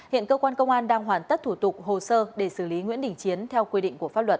hiện cơ quan công an đang hoàn tất thủ tục hồ sơ để xử lý nguyễn đình chiến theo quy định của pháp luật